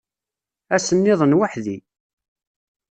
Ass-nniḍen weḥd-i.